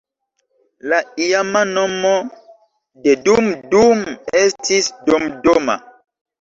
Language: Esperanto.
La iama nomo de Dum Dum estis "Domdoma".